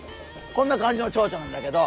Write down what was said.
こんな感じのチョウチョなんだけど。